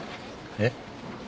えっ？